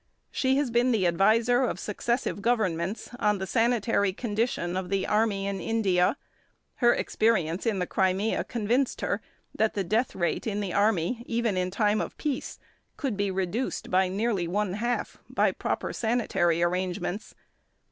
She has been the adviser of successive Governments on the sanitary condition of the army in India; her experience in the Crimea convinced her that the death rate in the army, even in time of peace, could be reduced by nearly one half by proper sanitary arrangements.